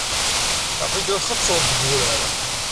Aql-ik la txeṣṣreḍ deg wurar.